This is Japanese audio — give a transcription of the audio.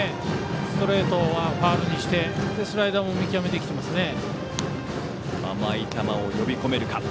ストレートはファウルにしてスライダーも見極めてますね。